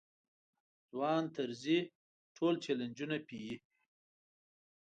ځوان طرزی ټول چلنجونه پېيي.